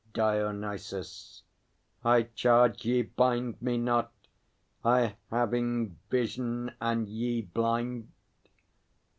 _ DIONYSUS. I charge ye, bind Me not! I having vision and ye blind!